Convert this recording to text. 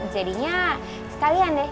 jadinya sekalian deh